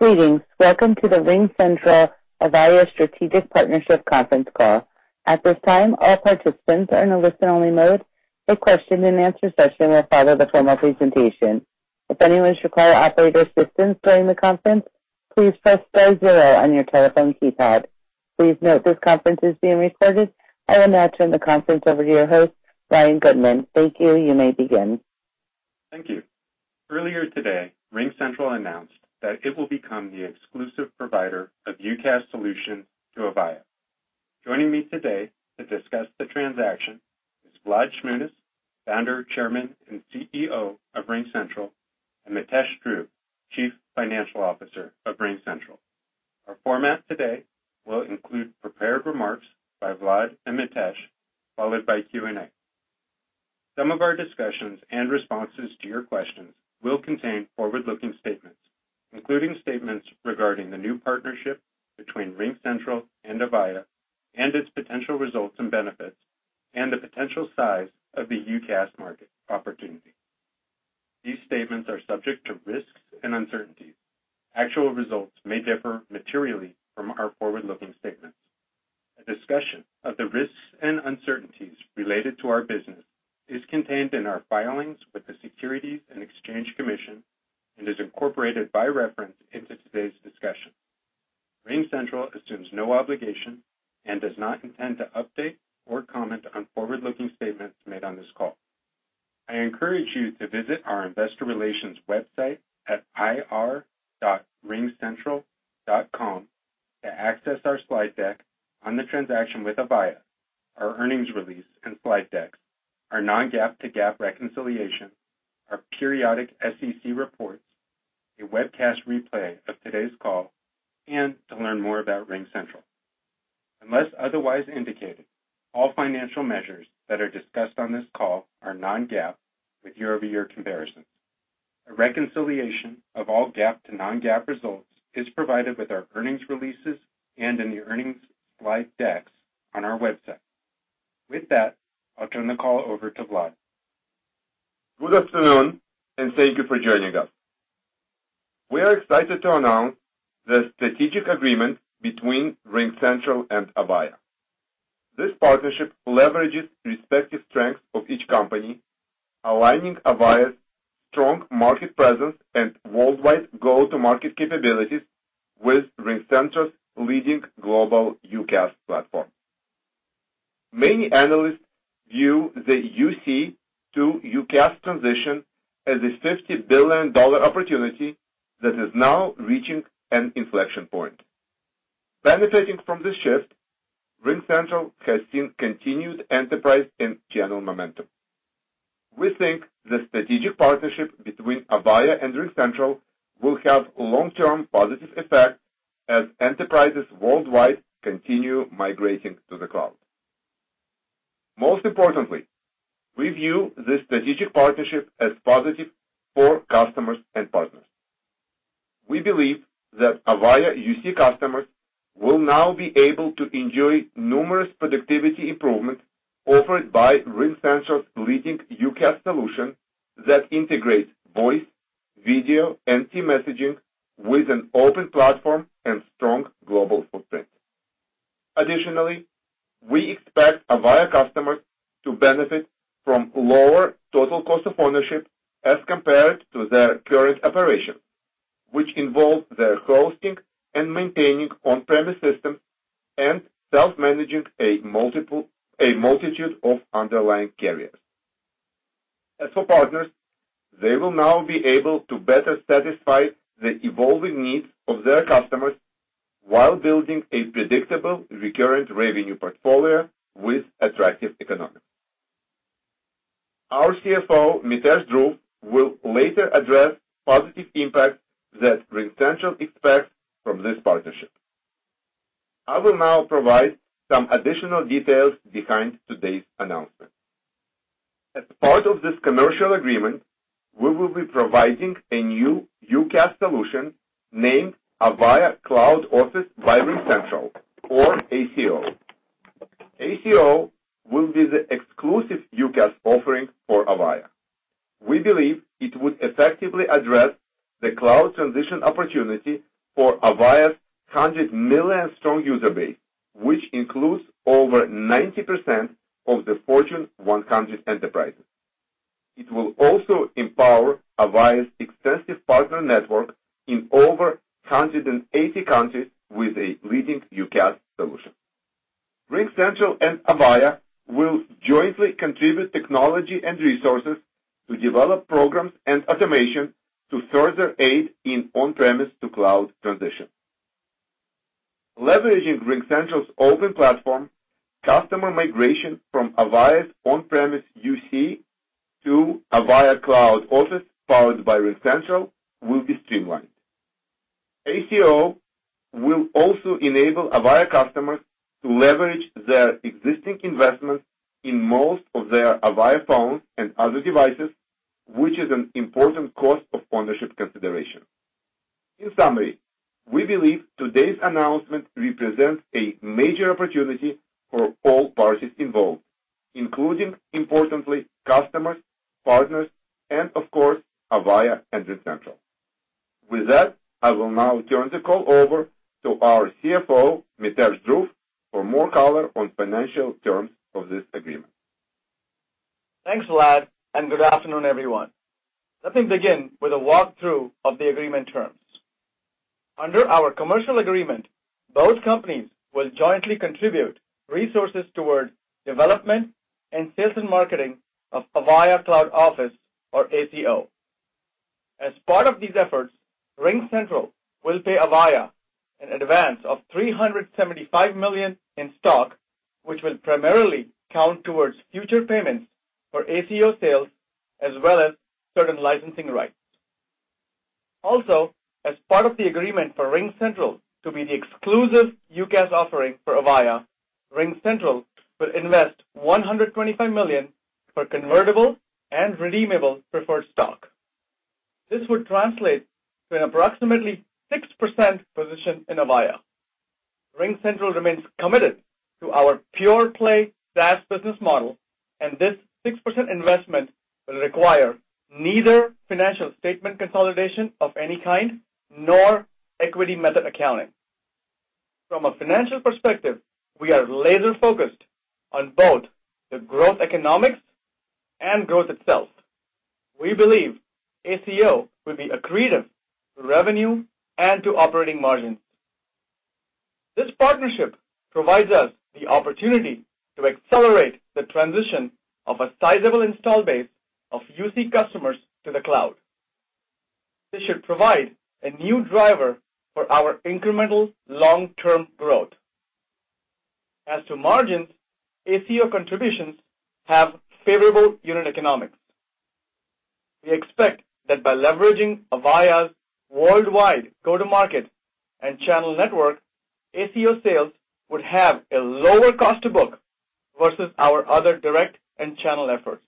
Greetings. Welcome to the RingCentral Avaya Strategic Partnership conference call. At this time, all participants are in a listen-only mode. A question and answer session will follow the formal presentation. If anyone should require operator assistance during the conference, please press star zero on your telephone keypad. Please note this conference is being recorded. I will now turn the conference over to your host, Ryan Goodman. Thank you. You may begin. Thank you. Earlier today, RingCentral announced that it will become the exclusive provider of UCaaS solution to Avaya. Joining me today to discuss the transaction is Vlad Shmunis, founder, Chairman, and CEO of RingCentral, and Mitesh Dhruv, Chief Financial Officer of RingCentral. Our format today will include prepared remarks by Vlad and Mitesh, followed by Q&A. Some of our discussions and responses to your questions will contain forward-looking statements, including statements regarding the new partnership between RingCentral and Avaya, and its potential results and benefits, and the potential size of the UCaaS market opportunity. These statements are subject to risks and uncertainties. Actual results may differ materially from our forward-looking statements. A discussion of the risks and uncertainties related to our business is contained in our filings with the Securities and Exchange Commission and is incorporated by reference into today's discussion. RingCentral assumes no obligation and does not intend to update or comment on forward-looking statements made on this call. I encourage you to visit our investor relations website at ir.ringcentral.com to access our slide deck on the transaction with Avaya, our earnings release and slide decks, our non-GAAP to GAAP reconciliation, our periodic SEC reports, a webcast replay of today's call, and to learn more about RingCentral. Unless otherwise indicated, all financial measures that are discussed on this call are non-GAAP with year-over-year comparisons. A reconciliation of all GAAP to non-GAAP results is provided with our earnings releases and in the earnings slide decks on our website. With that, I'll turn the call over to Vlad. Good afternoon, and thank you for joining us. We are excited to announce the strategic agreement between RingCentral and Avaya. This partnership leverages respective strengths of each company, aligning Avaya's strong market presence and worldwide go-to-market capabilities with RingCentral's leading global UCaaS platform. Many analysts view the UC to UCaaS transition as a $50 billion opportunity that is now reaching an inflection point. Benefiting from this shift, RingCentral has seen continued enterprise and channel momentum. We think the strategic partnership between Avaya and RingCentral will have long-term positive effects as enterprises worldwide continue migrating to the cloud. Most importantly, we view this strategic partnership as positive for customers and partners. We believe that Avaya UC customers will now be able to enjoy numerous productivity improvements offered by RingCentral's leading UCaaS solution that integrates voice, video, and team messaging with an open platform and strong global footprint. Additionally, we expect Avaya customers to benefit from lower total cost of ownership as compared to their current operation, which involves their hosting and maintaining on-premise systems and self-managing a multitude of underlying carriers. As for partners, they will now be able to better satisfy the evolving needs of their customers while building a predictable, recurrent revenue portfolio with attractive economics. Our CFO, Mitesh Dhruv, will later address positive impacts that RingCentral expects from this partnership. I will now provide some additional details behind today's announcement. As part of this commercial agreement, we will be providing a new UCaaS solution named Avaya Cloud Office by RingCentral or ACO. ACO will be the exclusive UCaaS offering for Avaya. We believe it would effectively address the cloud transition opportunity for Avaya's 100 million strong user base, which includes over 90% of the Fortune 100 enterprises. It will also empower Avaya's extensive partner network in over 180 countries with a leading UCaaS solution. RingCentral and Avaya will jointly contribute technology and resources to develop programs and automation to further aid in on-premise to cloud transition. Leveraging RingCentral's open platform, customer migration from Avaya's on-premise UC to Avaya Cloud Office powered by RingCentral will be streamlined. ACO will also enable Avaya customers to leverage their existing investments in most of their Avaya phones and other devices, which is an important cost of ownership consideration. In summary, we believe today's announcement represents a major opportunity for all parties involved, including, importantly, customers, partners, and of course, Avaya and RingCentral. With that, I will now turn the call over to our CFO, Mitesh Dhruv, for more color on financial terms of this agreement. Thanks, Vlad, good afternoon, everyone. Let me begin with a walkthrough of the agreement terms. Under our commercial agreement, both companies will jointly contribute resources toward development and sales and marketing of Avaya Cloud Office, or ACO. As part of these efforts, RingCentral will pay Avaya an advance of $375 million in stock, which will primarily count towards future payments for ACO sales, as well as certain licensing rights. As part of the agreement for RingCentral to be the exclusive UCaaS offering for Avaya, RingCentral will invest $125 million for convertible and redeemable preferred stock. This would translate to an approximately 6% position in Avaya. RingCentral remains committed to our pure-play SaaS business model, and this 6% investment will require neither financial statement consolidation of any kind nor equity method accounting. From a financial perspective, we are laser-focused on both the growth economics and growth itself. We believe ACO will be accretive to revenue and to operating margins. This partnership provides us the opportunity to accelerate the transition of a sizable install base of UC customers to the cloud. This should provide a new driver for our incremental long-term growth. As to margins, ACO contributions have favorable unit economics. We expect that by leveraging Avaya's worldwide go-to-market and channel network, ACO sales would have a lower cost to book versus our other direct and channel efforts.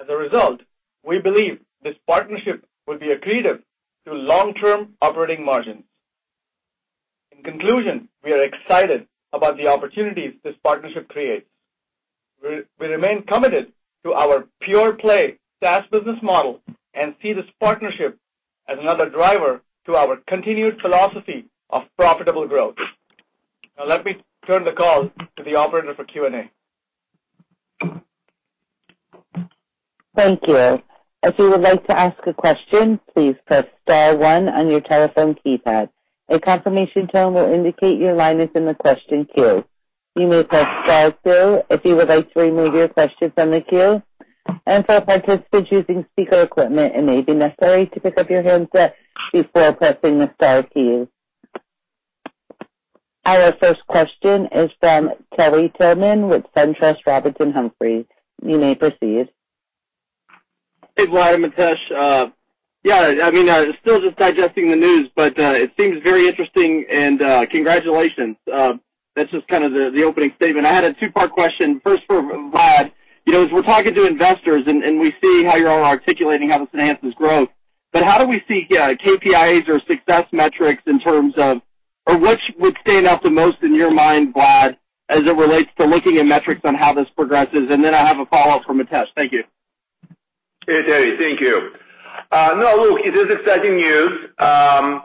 As a result, we believe this partnership will be accretive to long-term operating margins. In conclusion, we are excited about the opportunities this partnership creates. We remain committed to our pure-play SaaS business model and see this partnership as another driver to our continued philosophy of profitable growth. Now let me turn the call to the operator for Q&A. Thank you. If you would like to ask a question, please press star one on your telephone keypad. A confirmation tone will indicate your line is in the question queue. You may press star two if you would like to remove your question from the queue. For participants using speaker equipment, it may be necessary to pick up your handset before pressing the star key. Our first question is from Terry Tillman with SunTrust Robinson Humphrey. You may proceed. Hey, Vlad and Mitesh. I mean, I was still just digesting the news, but it seems very interesting and congratulations. That's just kind of the opening statement. I had a two-part question. First for Vlad. As we're talking to investors and we see how you all are articulating how this enhances growth. How do we see KPIs or success metrics in terms of which would stand out the most in your mind, Vlad, as it relates to looking at metrics on how this progresses? Then I have a follow-up for Mitesh. Thank you. Hey, Terry. Thank you. Look, it is exciting news.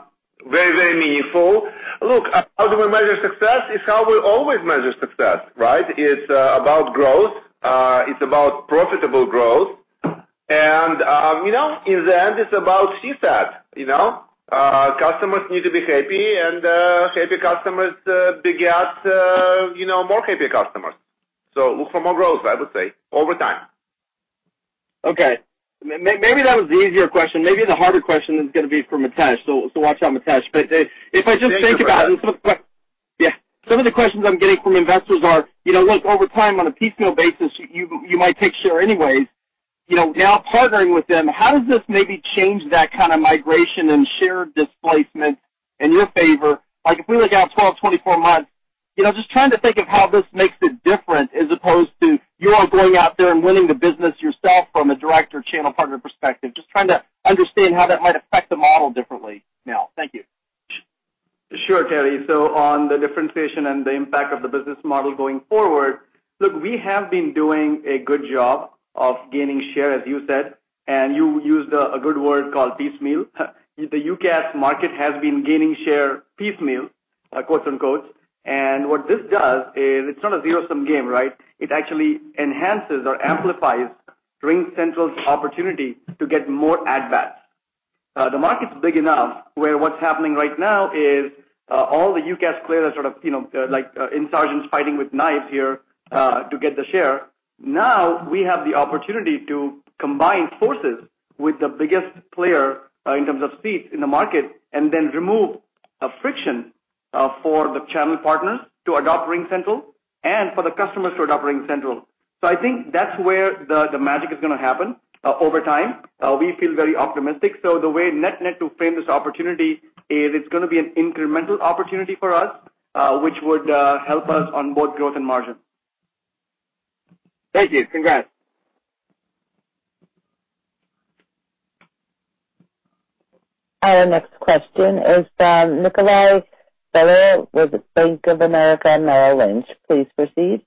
Very meaningful. Look, how do we measure success is how we always measure success, right? It's about growth. It's about profitable growth. In the end, it's about CSAT. Customers need to be happy, and happy customers beget more happy customers. Look for more growth, I would say, over time. Okay. Maybe that was the easier question. Maybe the harder question is gonna be for Mitesh. Watch out, Mitesh. Thank you, Vlad. Yeah. Some of the questions I am getting from investors are, look, over time, on a piecemeal basis, you might take share anyways. Now partnering with them, how does this maybe change that kind of migration and share displacement in your favor? If we look out 12, 24 months, just trying to think of how this makes it different as opposed to your going out there and winning the business yourself from a direct or channel partner perspective. Just trying to understand how that might affect the model differently now. Thank you. Sure, Terry. On the differentiation and the impact of the business model going forward, look, we have been doing a good job of gaining share, as you said, and you used a good word called piecemeal. The UCaaS market has been gaining share "piecemeal," and what this does is, it's not a zero-sum game, right? It actually enhances or amplifies RingCentral's opportunity to get more at-bats. The market's big enough where what's happening right now is, all the UCaaS players sort of like insurgents fighting with knives here to get the share. We have the opportunity to combine forces with the biggest player in terms of seats in the market, and then remove a friction for the channel partners to adopt RingCentral and for the customers to adopt RingCentral. I think that's where the magic is gonna happen over time. We feel very optimistic. The way net-net to frame this opportunity is it's gonna be an incremental opportunity for us, which would help us on both growth and margin. Thank you. Congrats. Our next question is from Nikolay Stoyanov with Bank of America Merrill Lynch. Please proceed.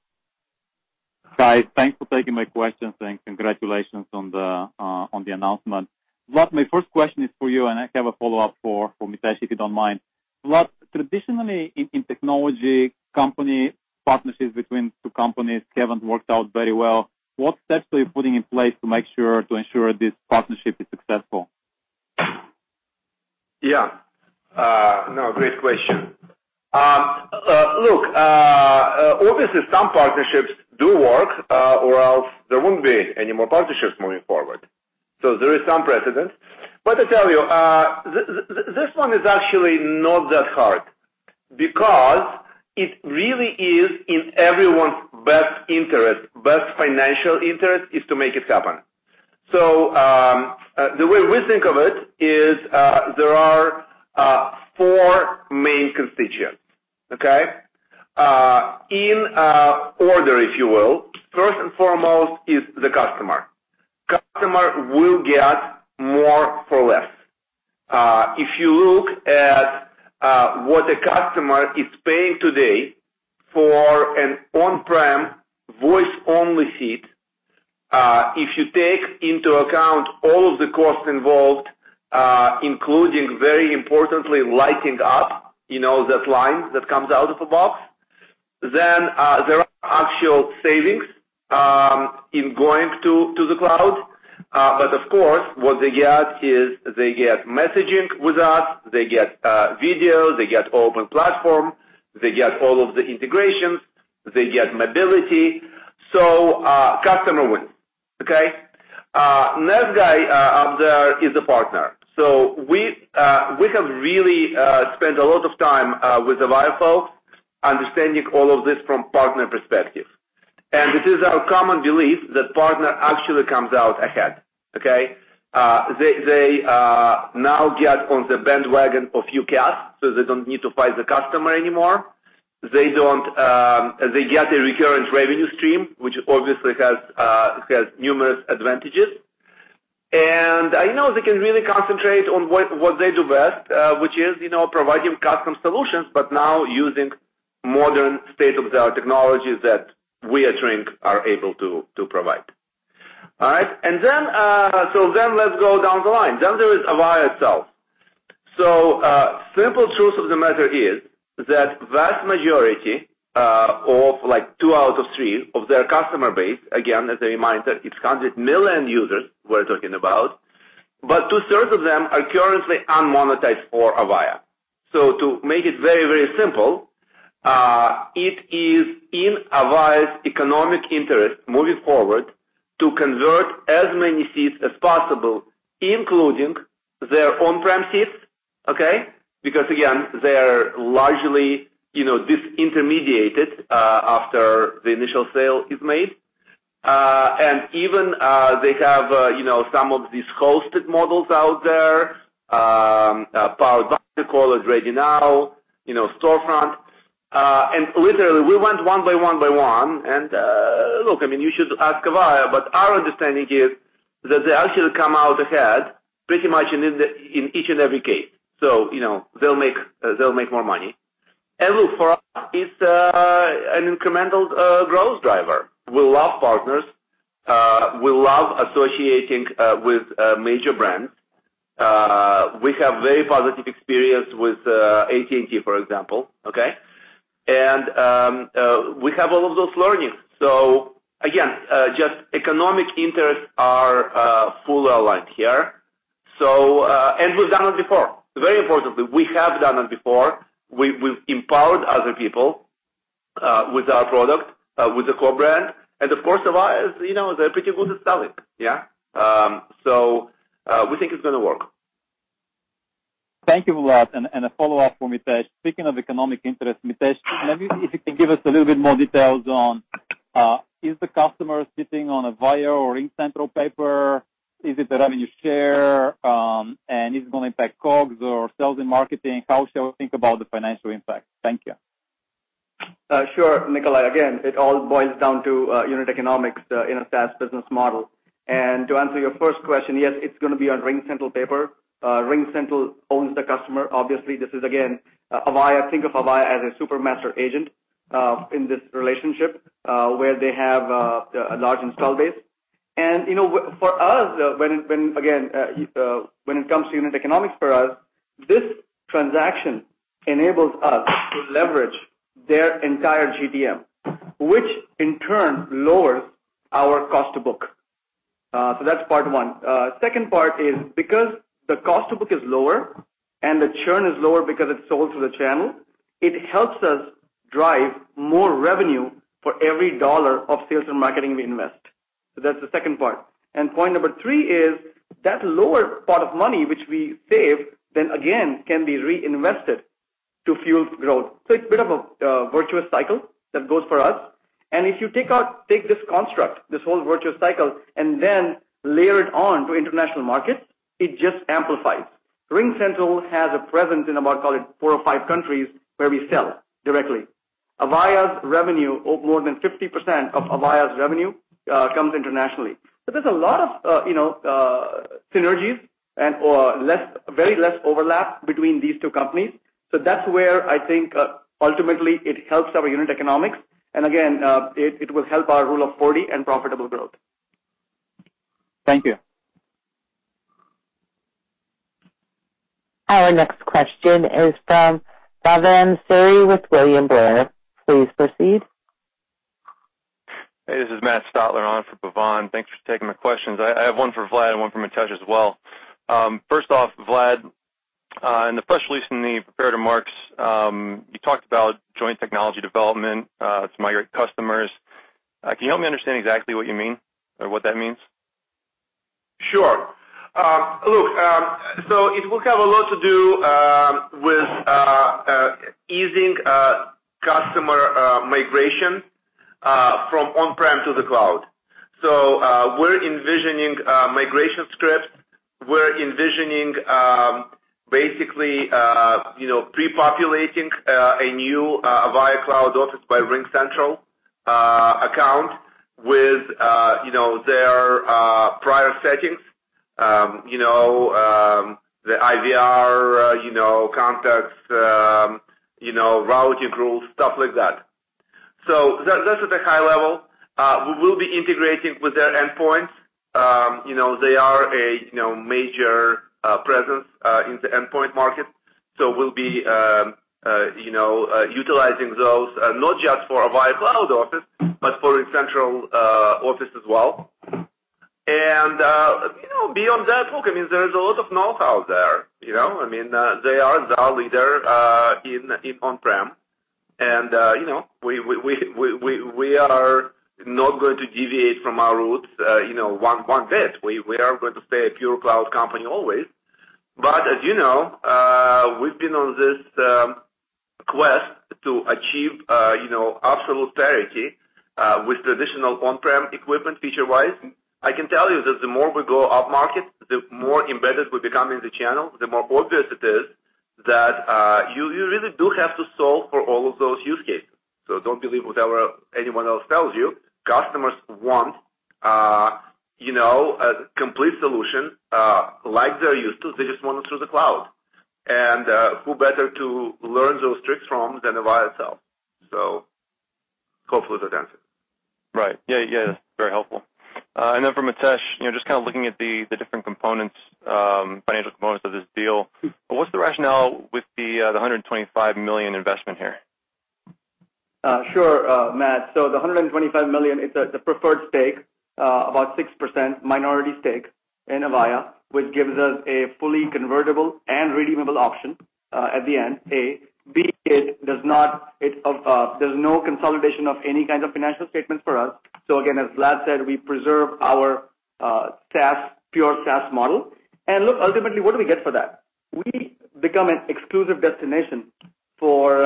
Hi. Thanks for taking my questions. Congratulations on the announcement. Vlad, my first question is for you. I have a follow-up for Mitesh, if you don't mind. Vlad, traditionally in technology company, partnerships between two companies haven't worked out very well. What steps are you putting in place to ensure this partnership is successful? Great question. Obviously, some partnerships do work, or else there wouldn't be any more partnerships moving forward. There is some precedent. I tell you, this one is actually not that hard because it really is in everyone's best financial interest is to make it happen. The way we think of it is there are four main constituents. Okay? In order, if you will, first and foremost is the customer. Customer will get more for less. If you look at what a customer is paying today for an on-prem voice-only seat, if you take into account all of the costs involved, including, very importantly, lighting up that line that comes out of the box, then there are actual savings in going to the cloud. Of course, what they get is they get messaging with us, they get video, they get open platform. They get all of the integrations. They get mobility. Customer wins. Okay. Next guy up there is the partner. We have really spent a lot of time with the Avaya folks understanding all of this from partner perspective. It is our common belief that partner actually comes out ahead. Okay. They now get on the bandwagon of UCaaS, so they don't need to fight the customer anymore. They get a recurrent revenue stream, which obviously has numerous advantages. I know they can really concentrate on what they do best, which is providing custom solutions, but now using modern state-of-the-art technologies that we at Ring are able to provide. All right. Let's go down the line. There is Avaya itself. Simple truth of the matter is that vast majority, of two out of three of their customer base, again, as a reminder, it's 100 million users we're talking about, but two-thirds of them are currently unmonetized for Avaya. To make it very simple, it is in Avaya's economic interest moving forward to convert as many seats as possible, including their on-prem seats. Okay? Again, they're largely disintermediated after the initial sale is made. Even they have some of these hosted models out there, powered by [the college] right now, storefront. Literally, we went one by one by one, and look, you should ask Avaya, but our understanding is that they actually come out ahead pretty much in each and every case. They'll make more money. Look, for us, it's an incremental growth driver. We love partners. We love associating with major brands. We have very positive experience with AT&T, for example. Okay. We have all of those learnings. Again, just economic interests are fully aligned here. We've done it before. Very importantly, we have done it before. We've empowered other people with our product with the core brand, and of course, Avaya is pretty good at selling. Yeah. We think it's going to work. Thank you, Vlad. A follow-up for Mitesh. Speaking of economic interest, Mitesh, maybe if you can give us a little bit more details on is the customer sitting on Avaya or RingCentral paper? Is it the revenue share? Is it going to impact COGS or sales in marketing? How shall we think about the financial impact? Thank you. Sure, Nikolay. It all boils down to unit economics in a SaaS business model. To answer your first question, yes, it's going to be on RingCentral paper. RingCentral owns the customer. Obviously, this is again, Avaya. Think of Avaya as a super master agent in this relationship where they have a large install base. For us, when it comes to unit economics for us, this transaction enables us to leverage their entire GTM, which in turn lowers our cost to book. That's part one. Second part is because the cost to book is lower and the churn is lower because it's sold through the channel, it helps us drive more revenue for every dollar of sales and marketing we invest. That's the second part. Point number 3 is that lower part of money, which we save, then again can be reinvested to fuel growth. It's a bit of a virtuous cycle that goes for us. If you take this construct, this whole virtuous cycle, layer it on to international markets, it just amplifies. RingCentral has a presence in about, call it four or five countries where we sell directly. Avaya's revenue, more than 50% of Avaya's revenue comes internationally. There's a lot of synergies and very less overlap between these two companies. That's where I think ultimately it helps our unit economics. Again, it will help our Rule of 40 and profitable growth. Thank you. Our next question is from Bhavan Suri with William Blair. Please proceed. Hey, this is Matt Stotler on for Bhavan. Thanks for taking my questions. I have one for Vlad and one for Mitesh as well. First off, Vlad, in the press release in the prepared remarks, you talked about joint technology development to migrate customers. Can you help me understand exactly what you mean or what that means? Sure. Look, it will have a lot to do with easing customer migration from on-prem to the cloud. We're envisioning migration scripts. We're envisioning basically pre-populating a new Avaya Cloud Office by RingCentral account with their prior settings. The IVR contacts, routing rules, stuff like that. That's at a high level. We will be integrating with their endpoints. They are a major presence in the endpoint market. We'll be utilizing those not just for Avaya Cloud Office, but for RingCentral Office as well. Beyond that, look, there is a lot of know-how there. They are the leader in on-prem, and we are not going to deviate from our roots one bit. We are going to stay a pure cloud company always. As you know, we've been on this quest to achieve absolute parity with traditional on-prem equipment, feature-wise. I can tell you that the more we go up market, the more embedded we become in the channel, the more obvious it is that you really do have to solve for all of those use cases. Don't believe whatever anyone else tells you. Customers want a complete solution like they're used to. They just want it through the cloud. Who better to learn those tricks from than Avaya itself. Hopefully that answers. Right. Yeah. Very helpful. Then for Mitesh, just looking at the different financial components of this deal, what's the rationale with the $125 million investment here? Sure, Matt. The $125 million is the preferred stake, about 6% minority stake in Avaya, which gives us a fully convertible and redeemable option at the end, A. B, there's no consolidation of any kind of financial statements for us. Again, as Vlad said, we preserve our pure SaaS model. Look, ultimately, what do we get for that? We become an exclusive destination for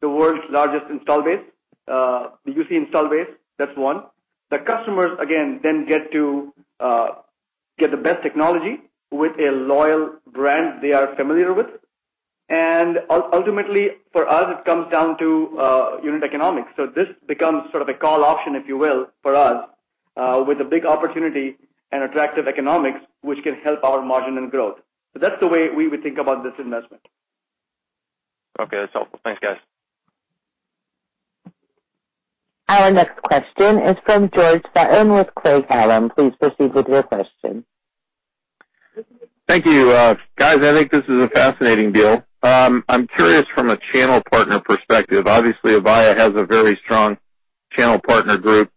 the world's largest install base. The UC install base, that's one. The customers again, get the best technology with a loyal brand they are familiar with. Ultimately for us, it comes down to unit economics. This becomes sort of a call option, if you will, for us with a big opportunity and attractive economics, which can help our margin and growth. That's the way we would think about this investment. Okay. That's helpful. Thanks, guys. Our next question is from George Barto with Craig-Hallum. Please proceed with your question. Thank you. Guys, I think this is a fascinating deal. I'm curious from a channel partner perspective. Obviously, Avaya has a very strong channel partner group.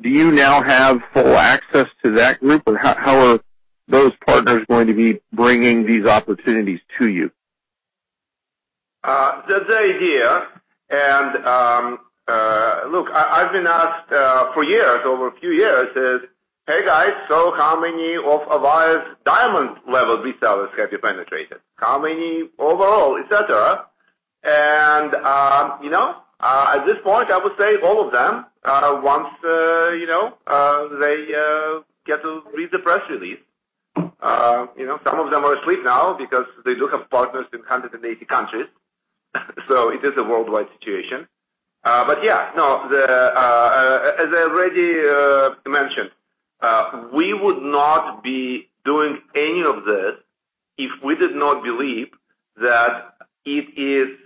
Do you now have full access to that group? How are those partners going to be bringing these opportunities to you? They're here. Look, I've been asked for years, over a few years, "Hey guys, so how many of Avaya's diamond-level resellers have you penetrated? How many overall?" Et cetera. At this point, I would say all of them, once they get to read the press release. Some of them are asleep now because they do have partners in 180 countries, so it is a worldwide situation. Yeah, as I already mentioned, we would not be doing any of this if we did not believe that it is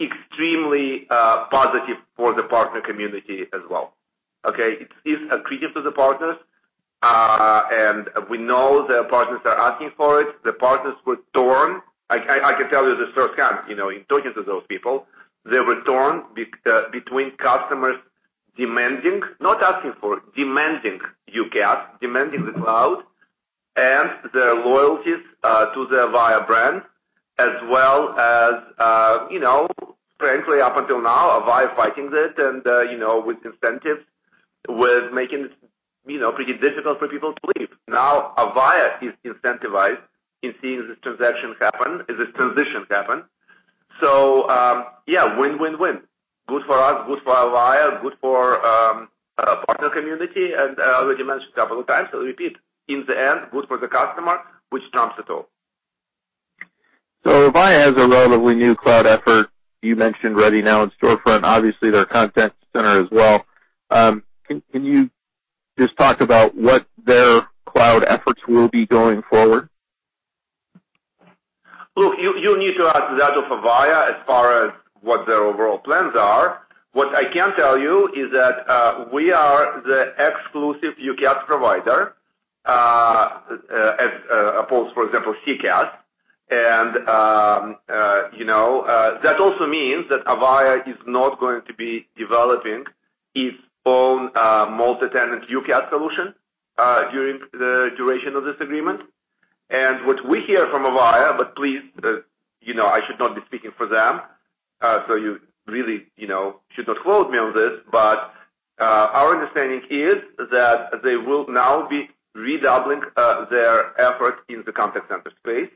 extremely positive for the partner community as well. Okay? It is accretive to the partners, and we know the partners are asking for it. The partners were torn. I can tell you this firsthand, in talking to those people, they were torn between customers demanding, not asking for, demanding UCaaS, demanding the cloud, and their loyalties to the Avaya brand, as well as frankly up until now, Avaya fighting it, and with incentives, with making it pretty difficult for people to leave. Avaya is incentivized in seeing this transaction happen, as this transition happen. Yeah, win-win-win. Good for us, good for Avaya, good for the community, I already mentioned a couple of times, I'll repeat, in the end, good for the customer, which trumps it all. Avaya has a relatively new cloud effort. You mentioned ready now in storefront, obviously their contact center as well. Can you just talk about what their cloud efforts will be going forward? Look, you need to ask that of Avaya as far as what their overall plans are. What I can tell you is that we are the exclusive UCaaS provider, as opposed, for example, CCaaS. That also means that Avaya is not going to be developing its own multi-tenant UCaaS solution during the duration of this agreement. What we hear from Avaya, but please, I should not be speaking for them, so you really should not quote me on this, but our understanding is that they will now be redoubling their effort in the contact center space,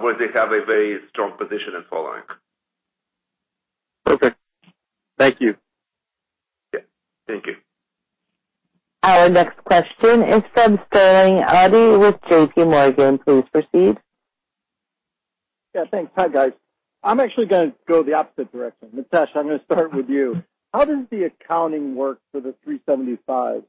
where they have a very strong position and following. Okay. Thank you. Yeah. Thank you. Our next question is from Sterling Auty with JPMorgan. Please proceed. Yeah, thanks. Hi, guys. I'm actually going to go the opposite direction. Mitesh, I'm going to start with you. How does the accounting work for the $375?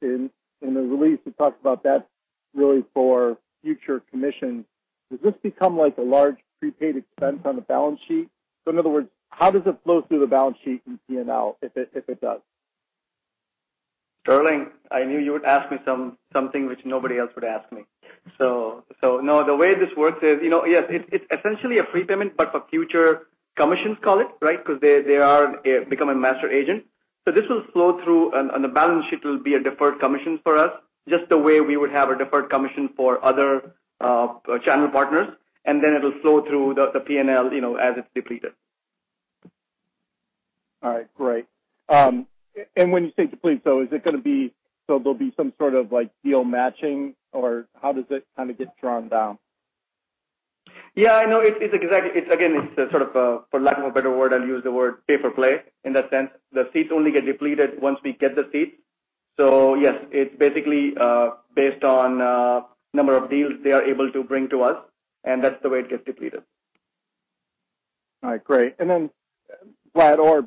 In the release, it talks about that really for future commissions. Does this become like a large prepaid expense on the balance sheet? In other words, how does it flow through the balance sheet in P&L if it does? Sterling, I knew you would ask me something which nobody else would ask me. No, the way this works is, yes, it's essentially a prepayment, but for future commissions, call it, right? Because they become a master agent. This will flow through, and the balance sheet will be a deferred commission for us, just the way we would have a deferred commission for other channel partners, and then it'll flow through the P&L as it's depleted. All right, great. When you say depleted, so there'll be some sort of deal matching, or how does it get drawn down? Yeah, I know. It's sort of, for lack of a better word, I'll use the word pay for play in that sense. The seats only get depleted once we get the seat. Yes, it's basically based on number of deals they are able to bring to us, and that's the way it gets depleted. All right, great. Then Vlad or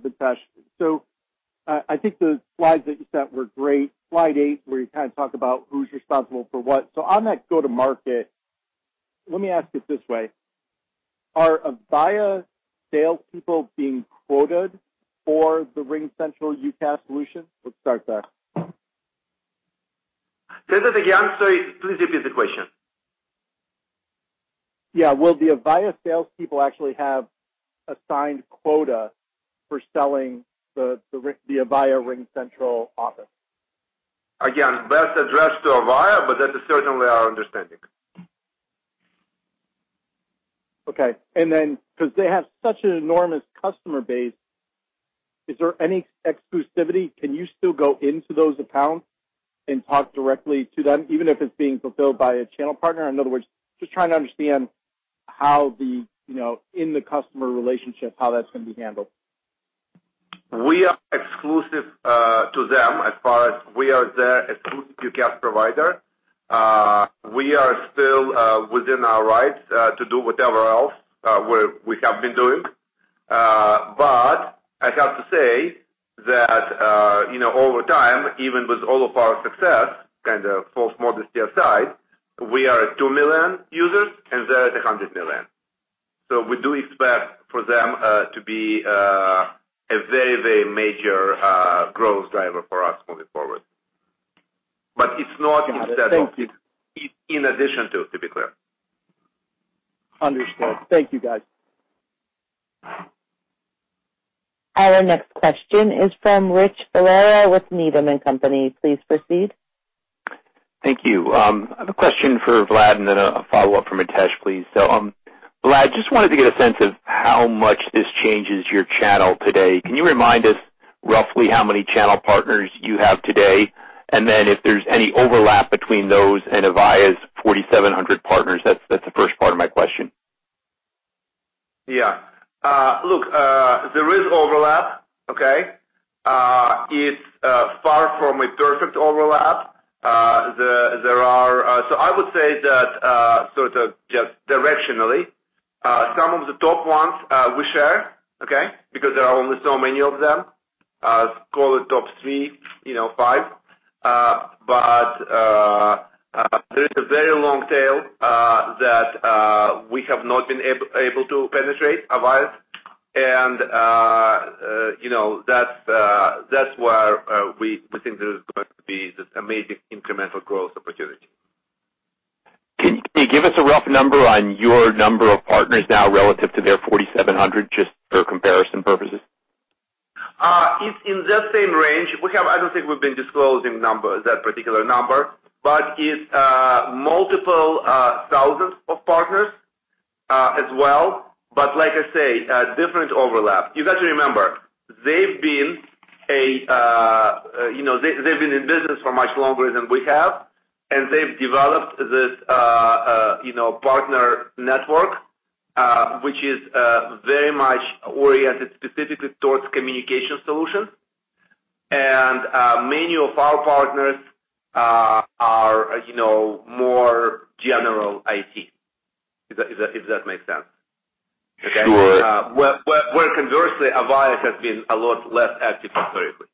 Mitesh, I think the slides that you sent were great. Slide eight, where you talk about who's responsible for what. On that go-to-market, let me ask it this way, are Avaya salespeople being quoted for the RingCentral UCaaS solution? Let's start there. Sterling, again, please repeat the question. Yeah. Will the Avaya salespeople actually have assigned quota for selling the Avaya RingCentral Office? Best addressed to Avaya, but that is certainly our understanding. Okay. Because they have such an enormous customer base, is there any exclusivity? Can you still go into those accounts and talk directly to them, even if it's being fulfilled by a channel partner? In other words, just trying to understand how in the customer relationship, how that's going to be handled. We are exclusive to them as far as we are their exclusive UCaaS provider. We are still within our rights to do whatever else we have been doing. I have to say that, over time, even with all of our success, false modesty aside, we are at 2 million users, and they're at 100 million. We do expect for them to be a very, very major growth driver for us moving forward. It's not instead of. Got it. Thank you it's in addition to be clear. Understood. Thank you, guys. Our next question is from Rich Valera with Needham & Company. Please proceed. Thank you. I have a question for Vlad and then a follow-up for Mitesh, please. Vlad, just wanted to get a sense of how much this changes your channel today. Can you remind us roughly how many channel partners you have today? If there's any overlap between those and Avaya's 4,700 partners? That's the first part of my question. Yeah. Look, there is overlap, okay? It's far from a perfect overlap. I would say that sort of just directionally, some of the top ones we share, okay? Because there are only so many of them. Call it top 3, 5. There is a very long tail that we have not been able to penetrate Avaya's. That's where we think there is going to be this amazing incremental growth opportunity. Can you give us a rough number on your number of partners now relative to their 4,700, just for comparison purposes? It's in that same range. I don't think we've been disclosing that particular number, but it's multiple thousands of partners as well. Like I say, a different overlap. You've got to remember, they've been in business for much longer than we have, and they've developed this, you know, partner network, which is very much oriented specifically towards communication solutions. Many of our partners are more general IT. If that makes sense. Okay. Sure. Where conversely, Avaya has been a lot less active historically.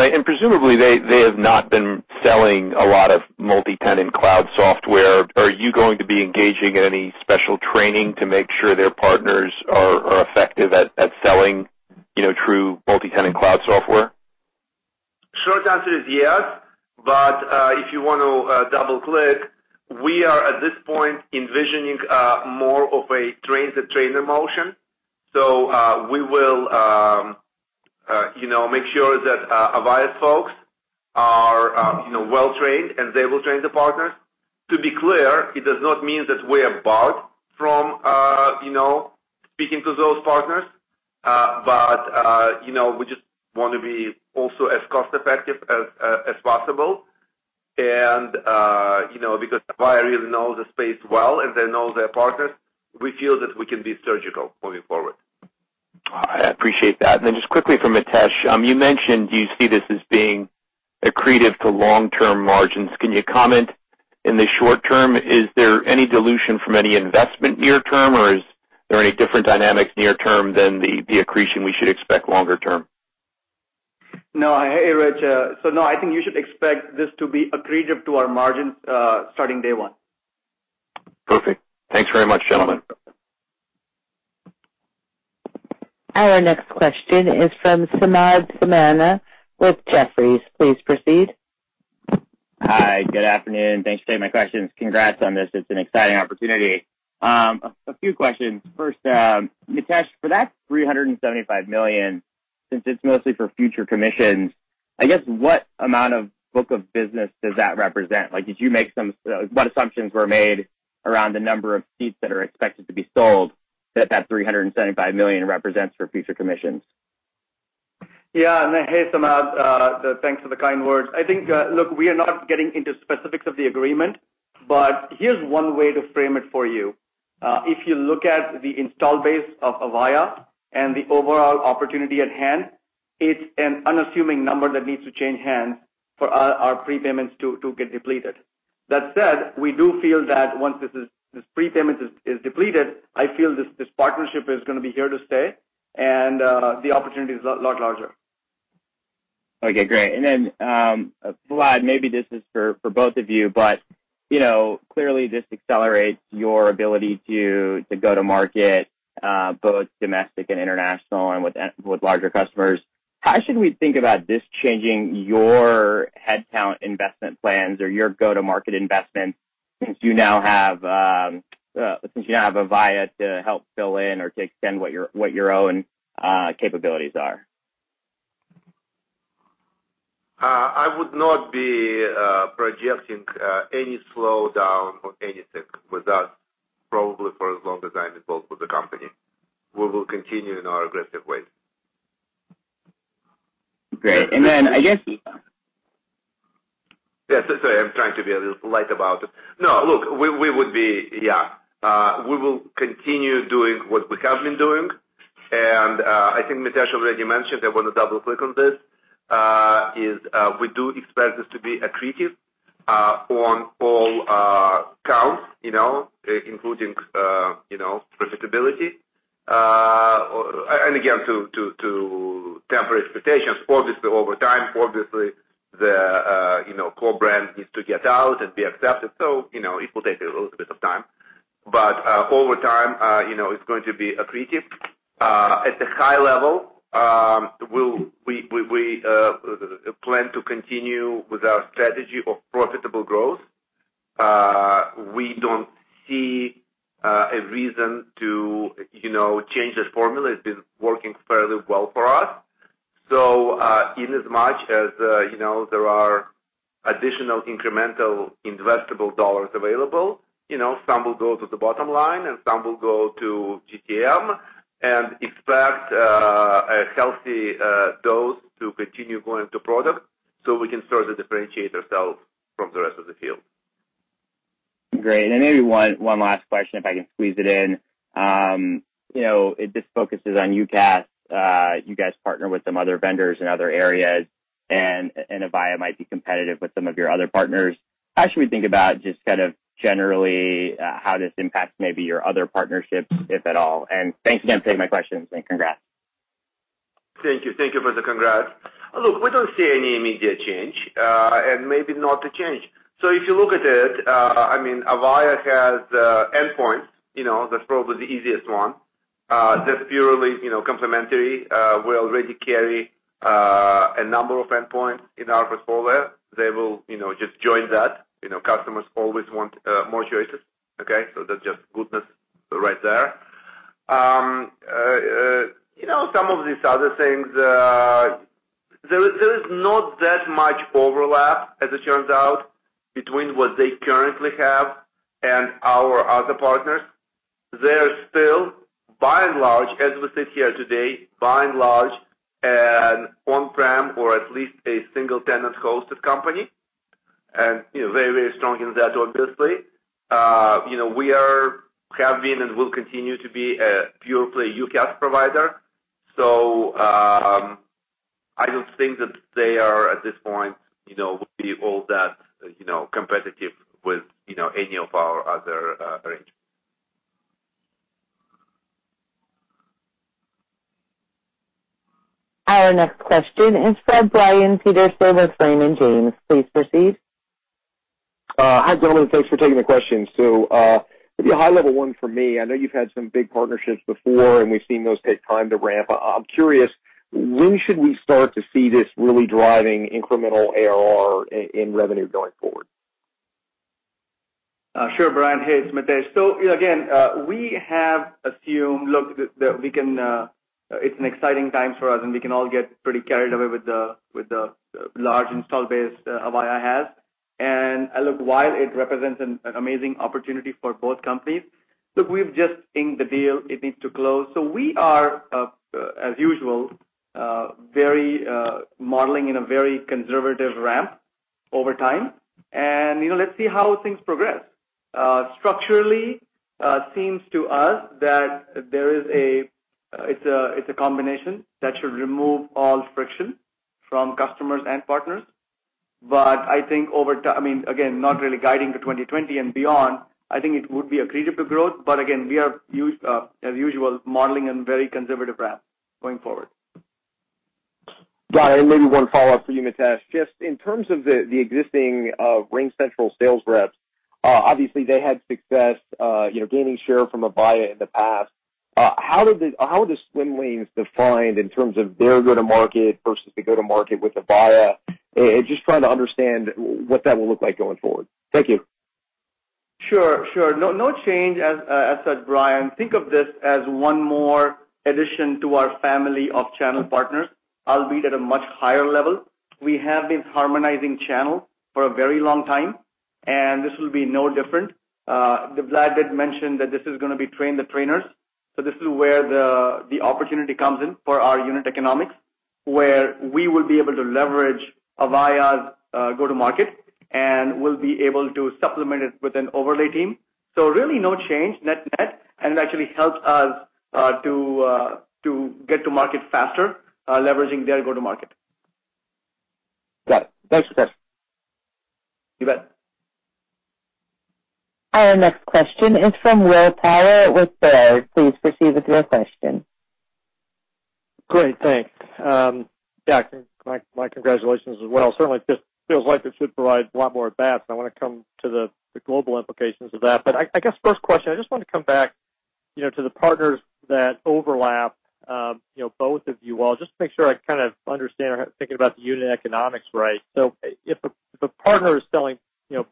Right. Presumably, they have not been selling a lot of multi-tenant cloud software. Are you going to be engaging in any special training to make sure their partners are effective at selling true multi-tenant cloud software? Short answer is yes. If you want to double-click, we are, at this point, envisioning more of a train the trainer motion. We will make sure that Avaya's folks are well-trained, and they will train the partners. To be clear, it does not mean that we're barred from speaking to those partners. We just want to be also as cost-effective as possible. Because Avaya really knows the space well and they know their partners, we feel that we can be surgical moving forward. I appreciate that. Just quickly from Mitesh, you mentioned you see this as being accretive to long-term margins. Can you comment in the short term, is there any dilution from any investment near term, or is there any different dynamics near term than the accretion we should expect longer term? No. Hey, Rich. No, I think you should expect this to be accretive to our margins starting day one. Perfect. Thanks very much, gentlemen. Our next question is from Samad Samana with Jefferies. Please proceed. Hi. Good afternoon. Thanks for taking my questions. Congrats on this. It's an exciting opportunity. A few questions. First, Mitesh, for that $375 million, since it's mostly for future commissions, I guess what amount of book of business does that represent? What assumptions were made around the number of seats that are expected to be sold that $375 million represents for future commissions? Yeah. Hey, Samad, thanks for the kind words. I think, look, we are not getting into specifics of the agreement, but here's one way to frame it for you. If you look at the install base of Avaya and the overall opportunity at hand, it's an unassuming number that needs to change hands for our prepayments to get depleted. That said, we do feel that once this prepayment is depleted, I feel this partnership is going to be here to stay, and the opportunity is a lot larger. Okay, great. Vlad, maybe this is for both of you, but clearly this accelerates your ability to go to market, both domestic and international and with larger customers. How should we think about this changing your headcount investment plans or your go to market investments since you now have Avaya to help fill in or to extend what your own capabilities are? I would not be projecting any slowdown on anything with us probably for as long as I'm involved with the company. We will continue in our aggressive way. Great. Yeah, sorry, I'm trying to be a little light about it. No, look, we will continue doing what we have been doing. I think Mitesh already mentioned, I want to double-click on this, is we do expect this to be accretive on all counts including profitability. Again, to temper expectations, obviously over time, obviously the core brand needs to get out and be accepted. It will take a little bit of time. Over time it's going to be accretive. At a high level, we plan to continue with our strategy of profitable growth. We don't see a reason to change that formula. It's been working fairly well for us. In as much as there are additional incremental investable dollars available, some will go to the bottom line and some will go to GTM and expect a healthy dose to continue going to product so we can sort of differentiate ourselves from the rest of the field. Great. Maybe one last question if I can squeeze it in. This focuses on UCaaS. You guys partner with some other vendors in other areas, and Avaya might be competitive with some of your other partners. How should we think about just kind of generally how this impacts maybe your other partnerships, if at all? Thanks again for taking my questions, and congrats. Thank you. Thank you for the congrats. Look, we don't see any immediate change, and maybe not a change. If you look at it, Avaya has endpoints. That's probably the easiest one. That's purely complementary. We already carry a number of endpoints in our portfolio. They will just join that. Customers always want more choices. Okay? That's just goodness right there. Some of these other things, there is not that much overlap, as it turns out, between what they currently have and our other partners. They're still, by and large, as we sit here today, or at least a single tenant-hosted company, and very strong in that, obviously. We have been and will continue to be a pure-play UCaaS provider. I don't think that they are, at this point, will be all that competitive with any of our other arrangements. Our next question is from Brian Peterson with Raymond James. Please proceed. Hi, gentlemen. Thanks for taking the question. Maybe a high-level one for me. I know you've had some big partnerships before, and we've seen those take time to ramp. I'm curious, when should we start to see this really driving incremental ARR in revenue going forward? Sure, Brian. Hey, it's Mitesh. Again, we have assumed Look, it's an exciting time for us, and we can all get pretty carried away with the large install base Avaya has. Look, while it represents an amazing opportunity for both companies, look, we've just inked the deal. It needs to close. We are, as usual, modeling in a very conservative ramp over time, and let's see how things progress. Structurally, seems to us that it's a combination that should remove all friction from customers and partners. I think over time, again, not really guiding to 2020 and beyond, I think it would be accretive to growth. Again, we are, as usual, modeling in very conservative ramp going forward. Got it. Maybe one follow-up for you, Mitesh. Just in terms of the existing RingCentral sales reps, obviously they had success gaining share from Avaya in the past. How are the swim lanes defined in terms of their go-to-market versus the go-to-market with Avaya? Just trying to understand what that will look like going forward. Thank you. Sure. No change. As said, Brian, think of this as one more addition to our family of channel partners, albeit at a much higher level. We have been harmonizing channels for a very long time, and this will be no different. Vlad did mention that this is going to be train the trainers. This is where the opportunity comes in for our unit economics, where we will be able to leverage Avaya's go-to-market, and we'll be able to supplement it with an overlay team. Really no change net, and it actually helps us to get to market faster, leveraging their go-to-market. Got it. Thanks, Mitesh. You bet. Our next question is from Will Power with Baird. Please proceed with your question. Great. Thanks. Yeah, my congratulations as well. Certainly, it just feels like it should provide a lot more depth, and I want to come to the global implications of that. I guess first question, I just want to come back to the partners that overlap both of you all, just to make sure I understand or thinking about the unit economics right. If a partner is selling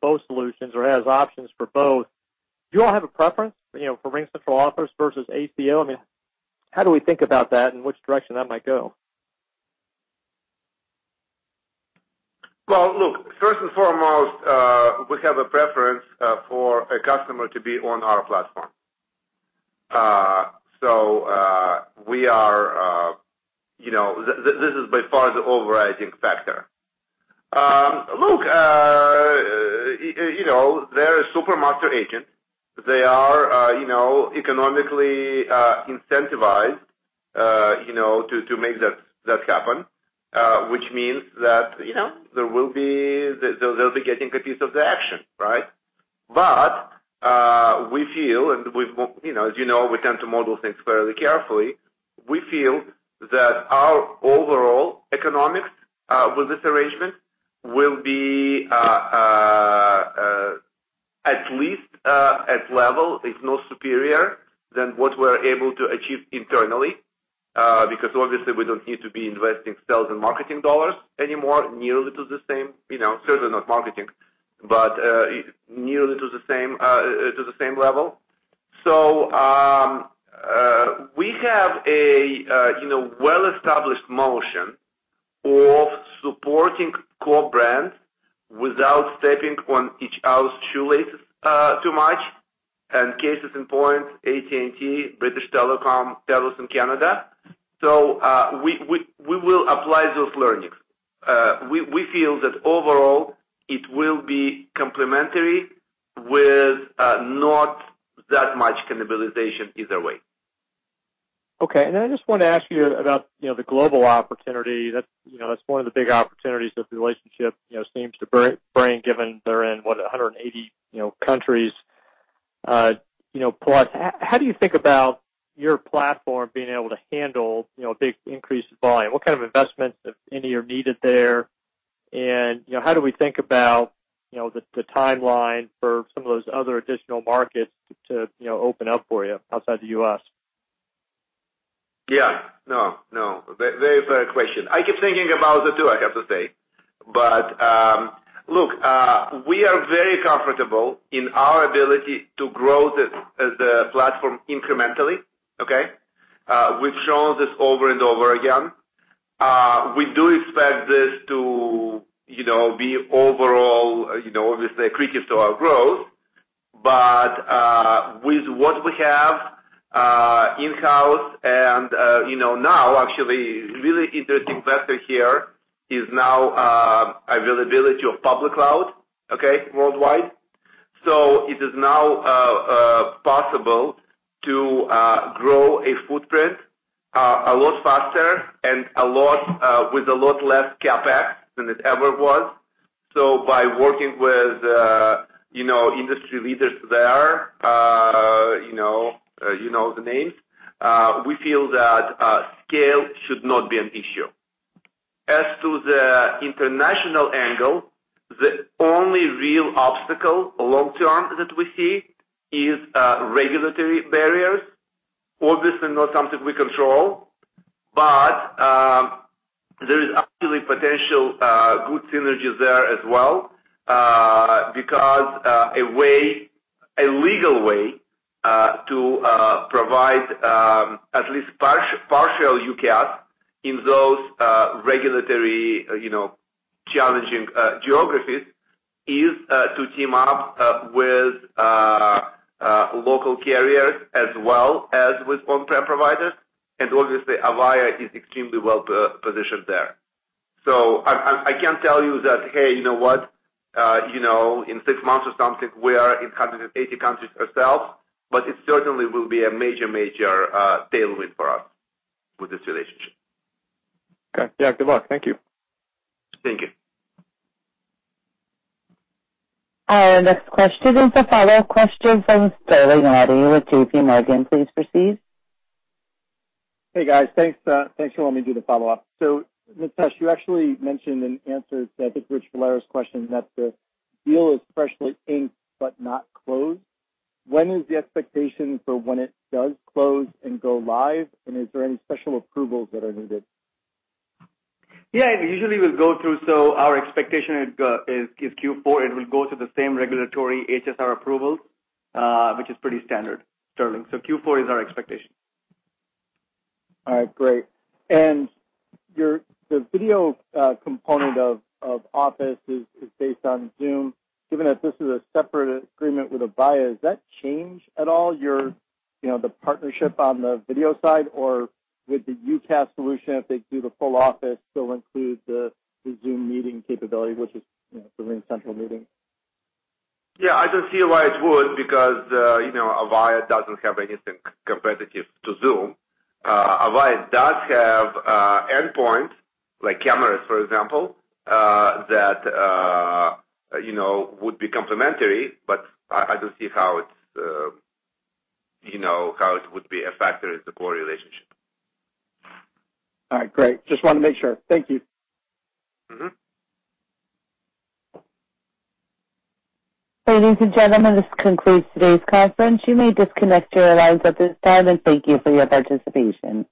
both solutions or has options for both, do you all have a preference for RingCentral Office versus ACO? How do we think about that, and which direction that might go? Well, look, first and foremost, we have a preference for a customer to be on our platform. This is by far the overriding factor. Look, they're a super master agent. They are economically incentivized to make that happen, which means that they'll be getting a piece of the action, right? We feel, and as you know, we tend to model things fairly carefully. We feel that our overall economics with this arrangement will be at least at level, if not superior, than what we're able to achieve internally. Obviously, we don't need to be investing sales and marketing $ anymore, nearly to the same, certainly not marketing, but nearly to the same level. We have a well-established motion of supporting core brands without stepping on each other's shoelaces too much. Cases in point, AT&T, British Telecom, Telus in Canada. We will apply those learnings. We feel that overall, it will be complementary with not that much cannibalization either way. Okay. Then I just wanted to ask you about the global opportunity. That's one of the big opportunities that the relationship seems to bring, given they're in, what, 180 countries plus. How do you think about your platform being able to handle a big increase in volume? What kind of investments, if any, are needed there? How do we think about the timeline for some of those other additional markets to open up for you outside the U.S.? Yeah. No. Very fair question. I keep thinking about it, too, I have to say. Look, we are very comfortable in our ability to grow the platform incrementally, okay? We've shown this over and over again. We do expect this to be overall accretive to our growth. What we have in-house and now actually, really interesting factor here is now availability of public cloud, okay, worldwide. It is now possible to grow a footprint a lot faster and with a lot less CapEx than it ever was. By working with industry leaders there, you know the names, we feel that scale should not be an issue. As to the international angle, the only real obstacle long-term that we see is regulatory barriers. Obviously not something we control, but there is absolutely potential good synergies there as well, because a legal way to provide at least partial UCaaS in those regulatory challenging geographies is to team up with local carriers as well as with on-prem providers. Obviously Avaya is extremely well-positioned there. I can't tell you that, "Hey, you know what? In six months or something, we are in 180 countries ourselves," but it certainly will be a major tailwind for us with this relationship. Okay. Yeah, good luck. Thank you. Thank you. Our next question is a follow-up question from Sterling Auty with JPMorgan. Please proceed. Hey, guys. Thanks, thanks for letting me do the follow-up. Mitesh, you actually mentioned and answered, I think, Rich Valera's question that the deal is freshly inked but not closed. When is the expectation for when it does close and go live, and is there any special approvals that are needed? Yeah, usually we'll go through, so our expectation is Q4. It will go through the same regulatory HSR approvals, which is pretty standard, Sterling. Q4 is our expectation. All right, great. The video component of Office is based on Zoom. Given that this is a separate agreement with Avaya, does that change at all the partnership on the video side or with the UCaaS solution, if they do the full Office, still includes the Zoom meeting capability, which is the RingCentral Meetings? I don't see why it would because Avaya doesn't have anything competitive to Zoom. Avaya does have endpoints like cameras, for example, that would be complementary, but I don't see how it would be a factor in the core relationship. All right, great. Just wanted to make sure. Thank you. Ladies and gentlemen, this concludes today's conference. You may disconnect your lines at this time, and thank you for your participation.